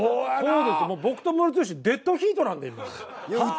もう僕とムロツヨシデッドヒートなんで今。